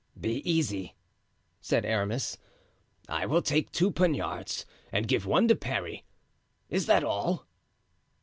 "Be easy," said Aramis; "I will take two poniards and give one to Parry. Is that all?"